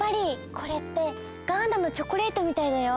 これってガーナのチョコレートみたいだよ。